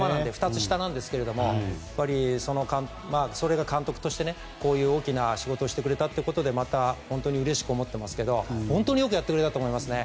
２つ下なんですけどそれが監督として大きな仕事をしてくれたということでうれしく思っていますが本当によくやってくれたと思いますね。